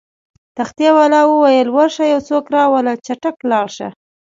تختې والاو وویل: ورشه یو څوک راوله، چټک لاړ شه.